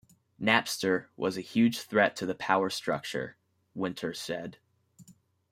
"Napster was a huge threat to the power structure," Winter said.